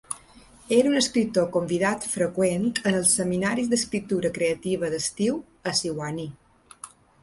Era un escriptor convidat freqüent en els seminaris d'escriptura creativa d'estiu a Sewanee.